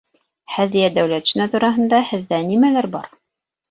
Һәҙиә Дәүләтшина тураһында һеҙҙә нимәләр бар?